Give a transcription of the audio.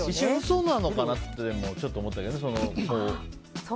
嘘なのかなってちょっと思ったけどね。